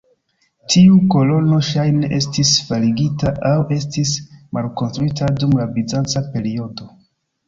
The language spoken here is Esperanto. Tiu kolono ŝajne estis faligita aŭ estis malkonstruita dum la bizanca periodo.